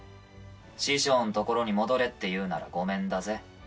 師匠の所に戻れっていうならごめんだぜ。